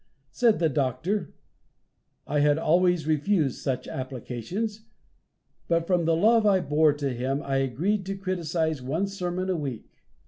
Said the Doctor: "I had always refused such applications, but from the love I bore to him, I agreed to criticise one sermon a week.